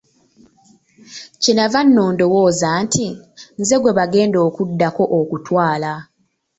Kye nnava nno ndowooza nti, Nze gwe bagenda okuddako okutwala.